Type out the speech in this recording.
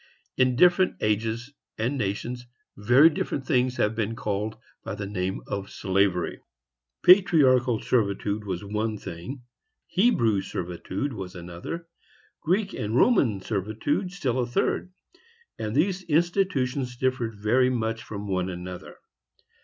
In different ages and nations, very different things have been called by the name of slavery. Patriarchal servitude was one thing, Hebrew servitude was another, Greek and Roman servitude still a third; and these institutions differed very much from each other.